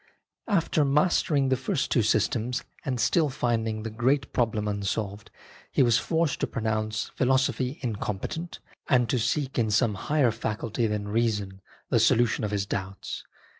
After mastering the first two systems and still finding the great problem unsolved, he was forced to pronounce philosophy incompetent, and to seek in some higher faculty than reason the solution of his doubts.